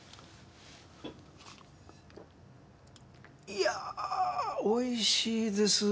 いや−おいしいです。